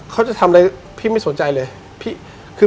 เขาจะทำอะไรพี่ไม่สนใจเลย